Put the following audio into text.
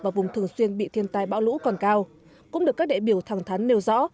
và vùng thường xuyên bị thiên tai bão lũ còn cao cũng được các đại biểu thẳng thắn nêu rõ